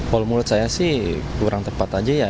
kalau menurut saya sih kurang tepat aja ya